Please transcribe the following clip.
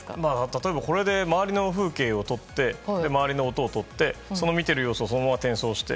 例えばこれで周りの風景を撮って、周りの音をとってその見ている様子をそのまま転送して。